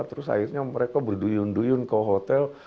terus akhirnya mereka berduyun duyun ke hotel